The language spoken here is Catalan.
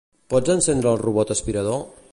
Pots encendre el robot aspirador?